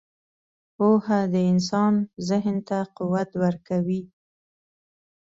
• پوهه د انسان ذهن ته قوت ورکوي.